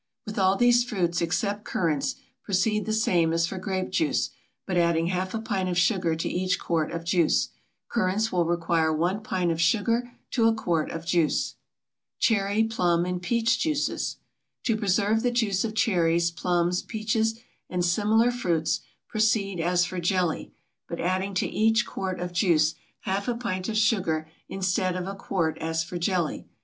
With all these fruits except currants, proceed the same as for grape juice, but adding half a pint of sugar to each quart of juice. Currants will require 1 pint of sugar to a quart of juice. CHERRY, PLUM, AND PEACH JUICES. To preserve the juice of cherries, plums, peaches, and similar fruits, proceed as for jelly, but adding to each quart of juice half a pint of sugar instead of a quart as for jelly.